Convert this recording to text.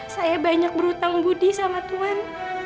saya banyak berhutang budi sama tuhan